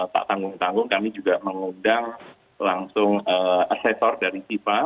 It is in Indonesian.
tak tanggung tanggung kami juga mengundang langsung asesor dari fifa